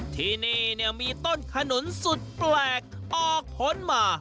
ที่นี่มีต้นขนุนสุดแปลกออกผลมา